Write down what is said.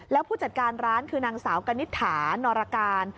แล้วผู้จัดการร้านคือนางสาวกนิษฐานรการ